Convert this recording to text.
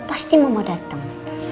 pasti mama datang